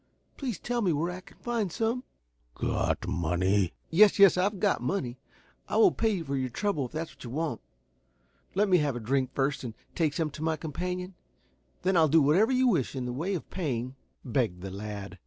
Please tell me where I can find some?" "Got money?" "Yes, yes, I've got money. I will pay you for your trouble if that is what you want. Let me have a drink first and take some to my companion; then I will do whatever you wish in the way of paying," begged the lad.